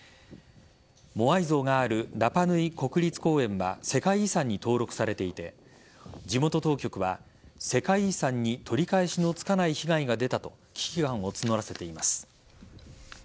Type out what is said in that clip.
モアイ像があるラパヌイ国立公園は世界遺産に登録されていて地元当局は世界遺産に取り返しのつかない被害が出たと危機感を募らせています。